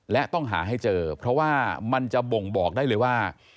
และต้องหาให้เจอเพราะว่ามันจะบ่งบอกได้เลยว่า